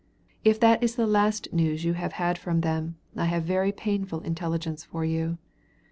If that is the last news you have had from them, I have very painful intelligence for you.